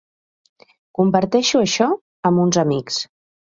Comparteixo això amb uns amics.